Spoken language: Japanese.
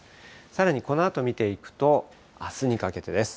さらにこのあと見ていくと、あすにかけてです。